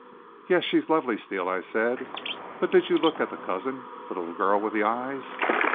"Yes, she's lovely, Steele," I said. "But did you look at the cousin, the little girl with the eyes?"